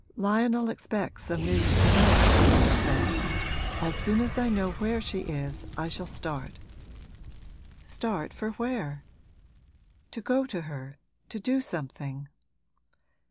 'Lionel expects some news to night,' Laura said. 'As soon as I know where she is I shall start.' 'Start for where?' 'To go to her to do something.'